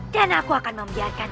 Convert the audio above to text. dan aku akan membiarkan